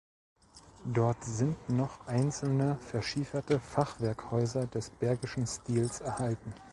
Dort sind noch einzelne verschieferte Fachwerkhäuser des Bergischen Stils erhalten.